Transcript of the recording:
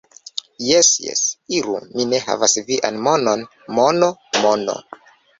Jes, jes. Iru, mi ne havas vian monon. Mono, mono..